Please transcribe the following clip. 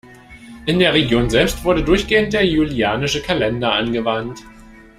In der Region selbst wurde durchgehend der Julianische Kalender angewandt.